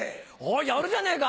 やるじゃねえか！